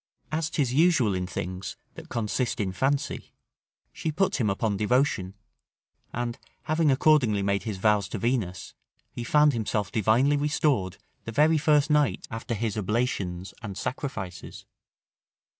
As 'tis usual in things that consist in fancy, she put him upon devotion, and having accordingly made his vows to Venus, he found himself divinely restored the very first night after his oblations and sacrifices.